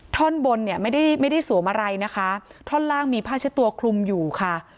ท่อนบนเนี่ยไม่ได้ไม่ได้สวมอะไรนะคะท่อนล่างมีผ้าเช็ดตัวคลุมอยู่ค่ะ